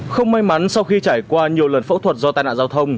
không may mắn sau khi trải qua nhiều lần phẫu thuật do tai nạn giao thông